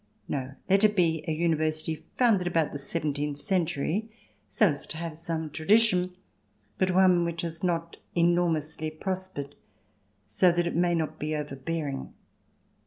No; let it be a University founded about the seventeenth century, so as to have some tradition, but one which has not enormously prospered, so that it may not be over bearing.